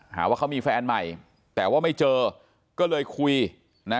หาว่าเขามีแฟนใหม่แต่ว่าไม่เจอก็เลยคุยนะ